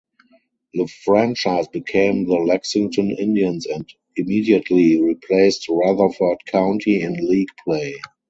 The franchise became the Lexington Indians and immediately replaced Rutherford County in league play.